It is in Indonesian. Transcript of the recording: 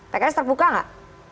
pks terbuka nggak